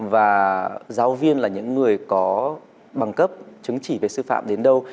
và giáo viên là những người có bằng cấp chứng chỉ về sư phạm đến đâu